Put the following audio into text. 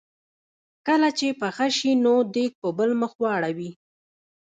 کله چې پخه شي نو دیګ په بل مخ واړوي.